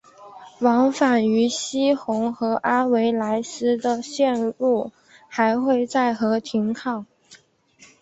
往返于希洪和阿维莱斯的线路还会在和停靠。